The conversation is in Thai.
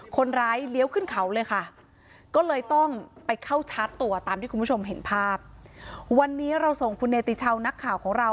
คนร้ายเลี้ยวขึ้นเขาเลยค่ะ